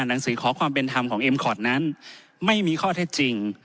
หนังสือขอความเป็นธรรมของเอ็มคอร์ดนั้นไม่มีข้อเท็จจริง